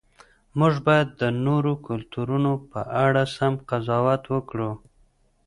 موږ باید د نورو کلتورونو په اړه سم قضاوت وکړو.